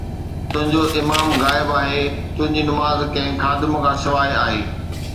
تنهنجو امام غائب آهي، تنهنجي نماز ڪنهن خادم کان سواءِ آهي